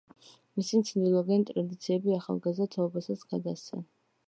ისინი ცდილობენ, ტრადიციები ახალგაზრდა თაობასაც გადასცენ.